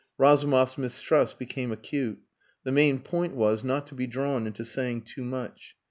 Razumov's mistrust became acute. The main point was, not to be drawn into saying too much.